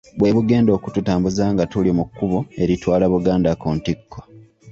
Bwe bugenda okututambuza nga tuli mu kkubo eritwala Buganda ku ntikko.